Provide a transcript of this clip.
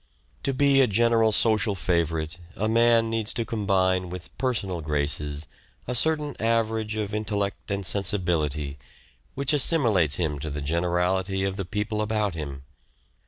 To be a general social favourite a man needs to combine with personal graces a certain average of intellect and sensibility, which assimilates him to the generality of the people about him.